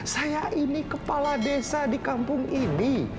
saya ini kepala desa di kampung ini